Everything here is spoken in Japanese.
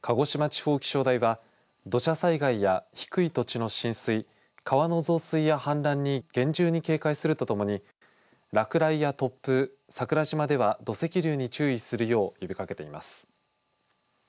地方気象台は土砂災害や低い土地の浸水川の増水や氾濫に厳重に警戒するとともに落雷や突風、桜島では土石流に注意するよう呼びかけています。